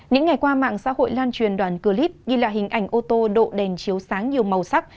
những ngày qua mạng xã hội lan truyền đoạn clip ghi lại hình ảnh ô tô độ đèn chiếu sáng nhiều màu sắc